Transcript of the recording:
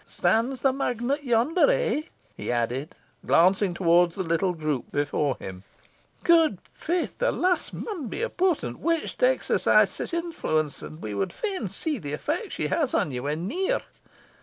Stands the magnet yonder, eh?" he added, glancing towards the little group before them. "Gude faith! the lass maun be a potent witch to exercise sic influence, and we wad fain see the effect she has on you when near.